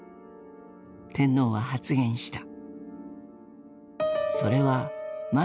天皇は発言した。